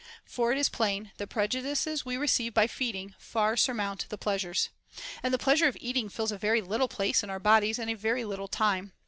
For it is plain, the prejudices we receive by feeding far surmount the pleasures. And the pleasure of eating fills a very little place in our bodies and very little time.